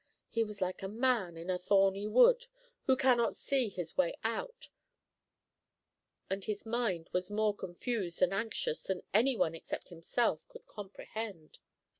He was like a man in a thorny wood, who cannot see his way out, and his mind was more confused and anxious than any one except himself could comprehend.